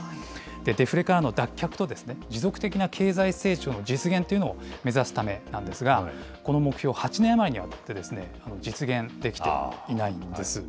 デフレからの脱却と、持続的な経済成長の実現というのを目指すためなんですが、この目標、８年余りにわたって実現できていないんです。